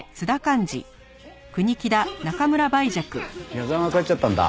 矢沢が帰っちゃったんだ。